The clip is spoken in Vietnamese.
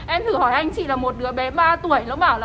em thử hỏi anh chị là một đứa bé ba tuổi